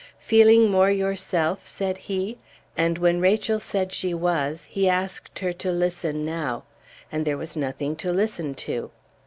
"Feeling more yourself?" said he; and, when Rachel said she was, he asked her to listen now; and there was nothing to listen to.